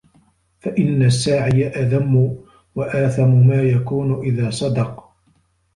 فَإِنَّ السَّاعِيَ أَذَمُّ وَآثَمُ مَا يَكُونُ إذَا صَدَقَ